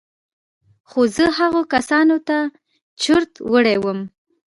خو زه هغو کسانو ته چورت وړى وم.